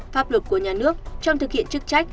pháp luật của nhà nước trong thực hiện chức trách